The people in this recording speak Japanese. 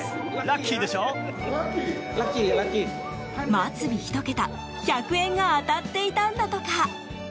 末尾１桁、１００円が当たっていたんだとか。